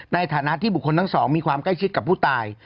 ในฐานะที่บุคคลทั้งสองมีความใกล้ชิดกับผู้ตาย